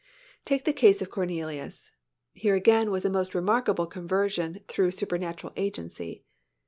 Take the case of Cornelius. Here again was a most remarkable conversion through supernatural agency.